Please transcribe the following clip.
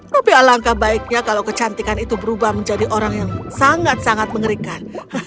tapi alangkah baiknya kalau kecantikan itu berubah menjadi orang yang sangat sangat mengerikan